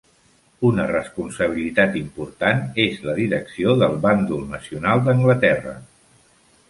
Una responsabilitat important és la direcció del bàndol nacional d"Anglaterra.